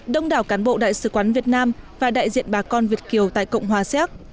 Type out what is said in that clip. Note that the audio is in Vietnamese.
đông đảo cán bộ đại sứ quán việt nam và đại diện bà con việt kiều tại cộng hòa xéc